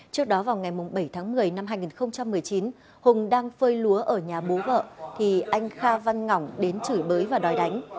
trước đó vào ngày bảy tháng một mươi năm hai nghìn một mươi chín hùng đang phơi lúa ở nhà bố vợ thì anh kha văn ngỏng đến chửi bới và đòi đánh